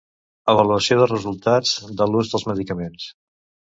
Avaluació de resultats de l'ús dels medicaments.